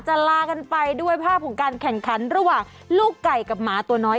ลากันไปด้วยภาพของการแข่งขันระหว่างลูกไก่กับหมาตัวน้อย